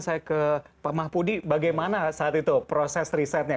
saya ke pak mahpudi bagaimana saat itu proses risetnya